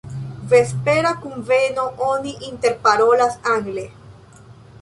Vespera kunveno, oni interparolas angle.